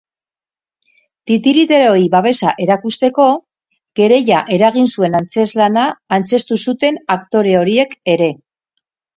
Titiriteroei babesa erakusteko, kereila eragin zuen antzezlana antzeztu zuten aktore horiek ere.